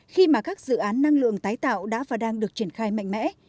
khi mà các dự án năng lượng tái tạo đã và đang được triển khai mạnh mẽ